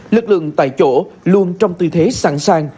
lực lượng tại chỗ luôn trong tư thế sẵn sàng